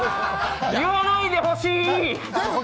言わないでほしい！